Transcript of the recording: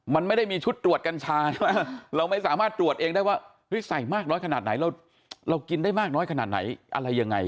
มันไม่ได้มีชุดตรวจกัญชาใช่ไหมเราไม่สามารถตรวจเองได้ว่าใส่มากน้อยขนาดไหนเรากินได้มากน้อยขนาดไหนอะไรยังไง